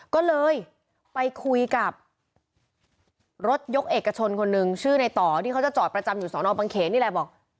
ก็เลยไปคุยกับรถยกเอกชนคนหนึ่งชื่อในต่อที่เขาจะจอดประจำอยู่สอนอบังเขนนี่แหละบอก